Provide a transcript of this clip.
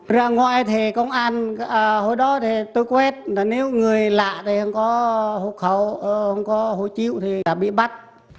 ra ngoài thì công an hồi đó thì tôi quét nếu người lạ thì không có hộ chiếu thì đã bị bắt